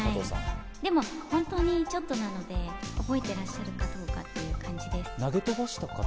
本当にちょっとなので覚えていらっしゃるかどうかという感じです。